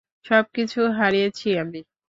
সবকিছু হারিয়েছি আমি।